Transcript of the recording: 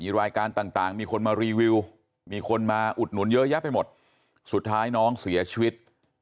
รายการต่างมีคนมารีวิวมีคนมาอุดหนุนเยอะแยะไปหมดสุดท้ายน้องเสียชีวิต